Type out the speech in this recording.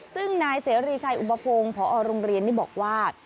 ซึ่งนายเสรีชัยอุปพงศ์พอโรงเรียนนี่บอกว่า